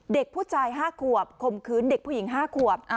เด็กผู้ชาย๕ขวบคมคืนเด็กผู้หญิง๕ขวบ